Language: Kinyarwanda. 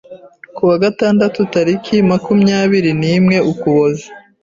ku wa gatandatu tariki makumyabiri nimwe Ukuboza,